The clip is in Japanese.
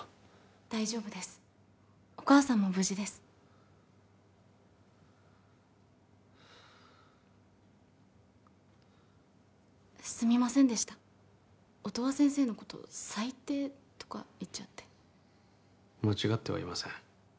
大丈夫ですお母さんも無事ですすみませんでした音羽先生のこと最低とか言っちゃって間違ってはいません